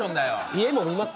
家も見ます？